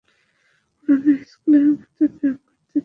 পুরনো স্কুলের মত প্রেম করতে চাই আমি।